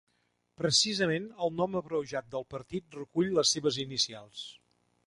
Precisament el nom abreujat del partit recull les seves inicials.